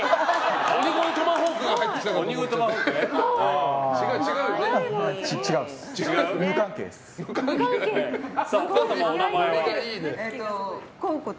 鬼越トマホークが入ってきたかと。